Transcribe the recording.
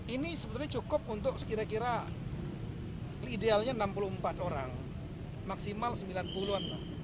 ini sebenarnya cukup untuk sekira kira idealnya enam puluh empat orang maksimal sembilan puluh an pak